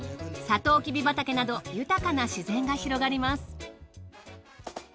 サトウキビ畑など豊かな自然が広がります。